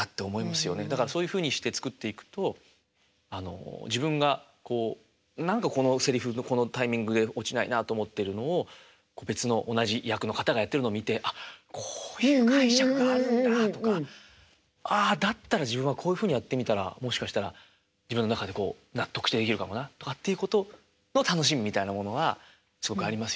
だからそういうふうにして作っていくと自分がこう何かこのせりふのこのタイミングで落ちないなと思ってるのを別の同じ役の方がやってるのを見て「ああこういう解釈があるんだ」とかああだったら自分はこういうふうにやってみたらもしかしたら自分の中でこう納得できるかもなとかっていうことの楽しみみたいなものがすごくありますよね。